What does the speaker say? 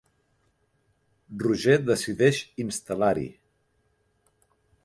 Roger decideix instal·lar-hi.